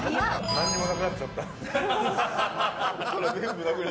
何にもなくなっちゃった。